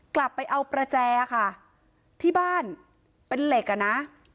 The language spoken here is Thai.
กลับไปเอาประแจค่ะที่บ้านเป็นเหล็กอ่ะนะ